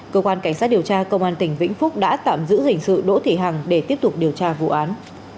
cơ quan cảnh sát điều tra công an tỉnh vĩnh phúc đã tạm giữ hình sự đỗ thị hằng để tiếp tục điều tra vụ án